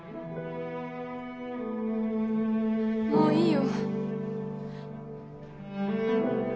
もういいよ。